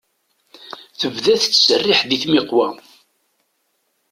Tebda tettserriḥ-d i tmiqwa.